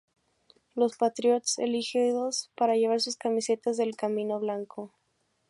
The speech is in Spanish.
Los Patriots elegidos para llevar sus camisetas el camino blanco.